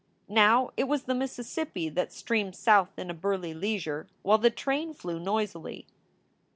Now it was the Mississippi that streamed south in a burly leisure, while the train flew noisily.